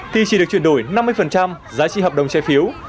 thì chỉ được chuyển đổi năm mươi giá trị hợp đồng trái phiếu